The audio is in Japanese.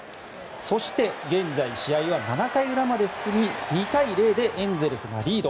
そして現在、試合は７回裏まで進み２対０でエンゼルスがリード。